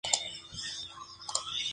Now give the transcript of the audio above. Jugó en varios clubes de Brasil.